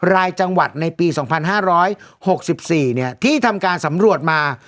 รายจังหวัดในปี๒๕๖๔ที่ทำการสำรวจมา